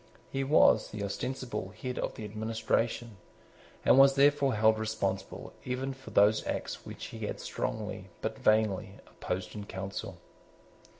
He was the ostensible head of the administration, and was therefore held responsible even for those acts which he had strongly, but vainly, opposed in Council.